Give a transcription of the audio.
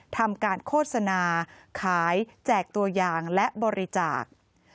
ทำการโฆษณาขายแจกตัวอย่างและบริจาค